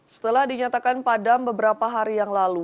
setelah dinyatakan padam beberapa hari yang lalu